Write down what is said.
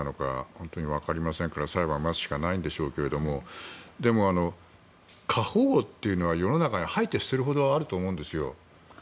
本当にわかりませんから裁判を待つしかないんでしょうがでも、過保護というのは世の中に掃いて捨てるほどあると思うんですよ。